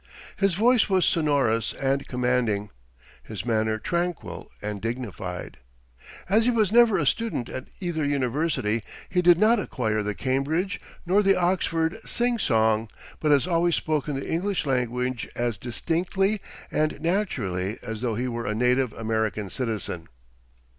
His voice was sonorous and commanding; his manner tranquil and dignified. As he was never a student at either university, he did not acquire the Cambridge nor the Oxford sing song, but has always spoken the English language as distinctly and naturally as though he were a native American citizen.